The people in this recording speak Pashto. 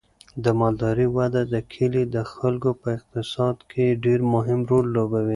د مالدارۍ وده د کلي د خلکو په اقتصاد کې ډیر مهم رول لوبوي.